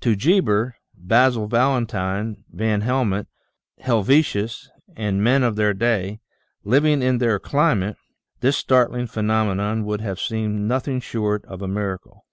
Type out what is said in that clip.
To Geber, Basil Valentine, Van Helmont, Helvetius, and men of their day, living in their climate, this startling phenomenon would have seemed nothing short of a miracle.